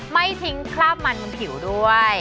ไม่ทิ้งคราบมันบนผิวด้วย